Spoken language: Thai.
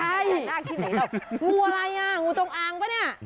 งูอะไรน่ะงูจงอางป่ะ